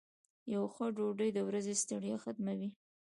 یو ښه ډوډۍ د ورځې ستړیا ختموي.